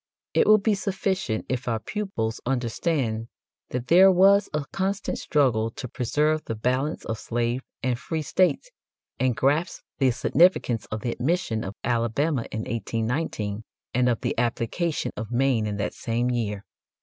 It will be sufficient if our pupils understand that there was a constant struggle to preserve the balance of slave and free states, and grasp the significance of the admission of Alabama in 1819 and of the application of Maine in that same year.